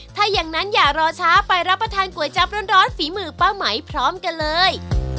ถ้าอย่างนั้นอย่ารอช้าไปรับประทานก๋วยจับร้อนฝีมือป้าไหมพร้อมกันเลย